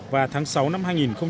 và tháng sáu năm hai nghìn hai mươi